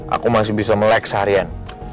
aku masih bisa melek seharian